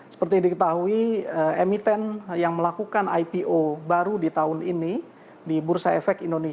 seperti diketahui emiten yang melakukan ipo baru di tahun ini di bursa efek indonesia